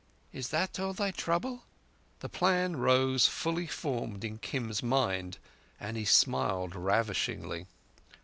"Is that all thy trouble?" The plan rose fully formed in Kim's mind, and he smiled ravishingly.